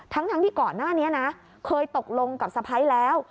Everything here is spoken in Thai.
ทั้งที่ก่อนหน้านี้นะเคยตกลงกับสะพ้ายแล้ว